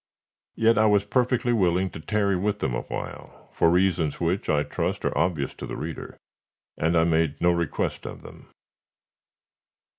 Yet I was perfectly willing to tarry with them a while, for reasons which, I trust, are obvious to the reader, and I made no request of them.